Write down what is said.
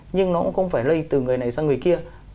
nhưng nó cũng không phải lây từ người này sang người kia